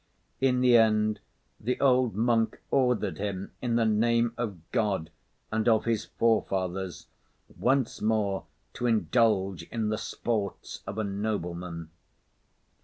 In the end, the old monk ordered him in the name of God, and of his forefathers, once more to indulge in the sports of a nobleman.